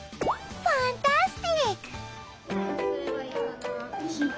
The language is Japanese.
ファンタスティック！